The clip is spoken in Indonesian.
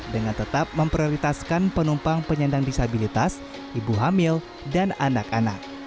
dengan tetap memprioritaskan penumpang penyandang disabilitas ibu hamil dan anak anak